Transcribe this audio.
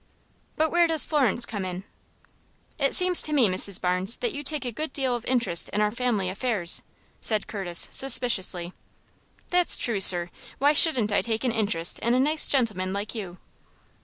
"But where does Florence come in?" "It seems to me, Mrs. Barnes, that you take a good deal of interest in our family affairs," said Curtis, suspiciously. "That's true, sir. Why shouldn't I take an interest in a nice gentleman like you?"